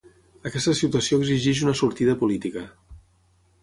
Aquesta situació exigeix una sortida política.